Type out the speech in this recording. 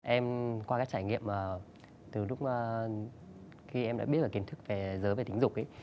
em qua các trải nghiệm từ lúc khi em đã biết về kiến thức về giới về tính dục